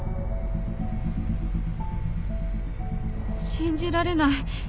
信じられない。